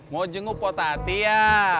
mau jenguk potati ya